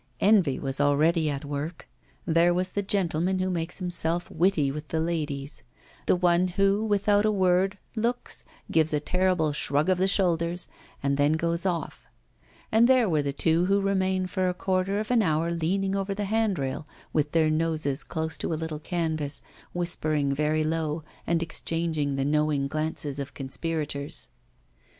Envy was already at work; there was the gentleman who makes himself witty with the ladies; the one who, without a word, looks, gives a terrible shrug of the shoulders, and then goes off; and there were the two who remain for a quarter of an hour leaning over the handrail, with their noses close to a little canvas, whispering very low and exchanging the knowing glances of conspirators.